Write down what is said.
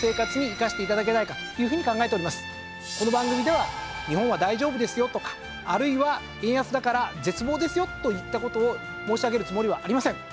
この番組では「日本は大丈夫ですよ」とかあるいは「円安だから絶望ですよ」といった事を申し上げるつもりはありません。